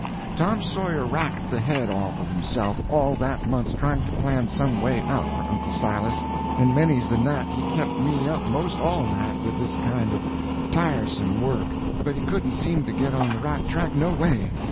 ] Tom Sawyer racked the head off of himself all that month trying to plan some way out for Uncle Silas, and many's the night he kept me up 'most all night with this kind of tiresome work, but he couldn't seem to get on the right track no way.